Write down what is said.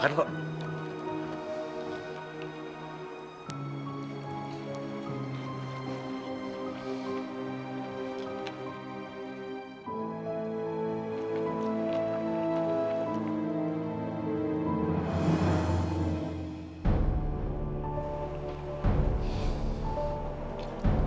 aku bisa makan sendiri mas